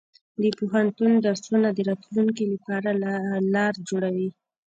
د پوهنتون درسونه د راتلونکي لپاره لار جوړوي.